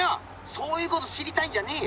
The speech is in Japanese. そういうこと知りたいんじゃねえよ！